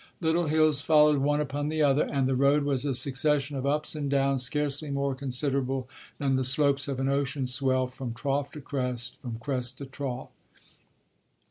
Little hills followed one upon the other, and the road was a succession of ups and downs scarcely more considerable than the slopes of an ocean swell, from trough to crest, from crest to trough.